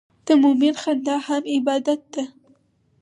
د مؤمن خندا هم عبادت ده.